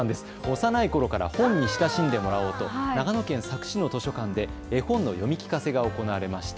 幼いころから本に親しんでもらおうと長野県佐久市の図書館で絵本の読み聞かせが行われました。